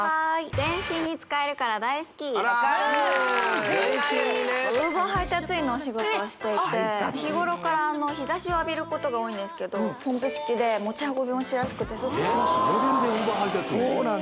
全身に使えるから大好きあら全身にねＵｂｅｒ配達員のお仕事をしていて日頃から日ざしを浴びることが多いんですけどポンプ式で持ち運びもしやすくてえっモデルでＵｂｅｒ配達員？